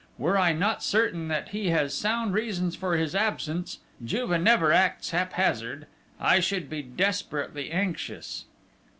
Were I not certain that he has sound reasons for his absence Juve never acts haphazard I should be desperately anxious!"